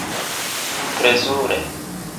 Plezure.